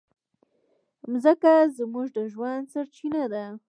مځکه زموږ د ژوند سرچینه ده.